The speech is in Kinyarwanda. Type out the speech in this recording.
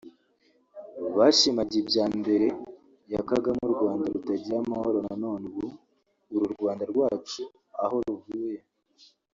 Bashimaga ibya mbere ya Kagame u Rwanda rutaragira amahoro none ubu […] uru Rwanda rwacu aho ruvuye